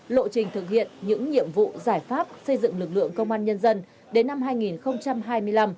lộ trình thực hiện những nhiệm vụ giải pháp xây dựng lực lượng công an nhân dân đến năm hai nghìn hai mươi năm